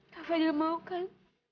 kak fadlil mau kan